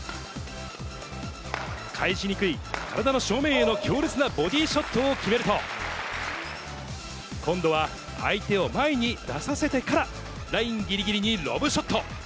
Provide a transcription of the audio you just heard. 返しにくい、体の正面への強烈なボディーショットを決めると、今度は相手を前に出させてから、ラインぎりぎりにロブショット。